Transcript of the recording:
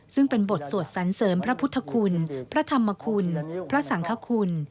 ซึ่งเป็นบทสวดสันเสริมพระพุทธคุณพระธรรมคุณพระสังคคุณ